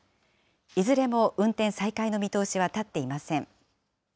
いずれも運転再開の見通しは立っていません。